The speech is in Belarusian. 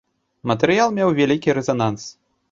Матэрыял меў вялікі рэзананс.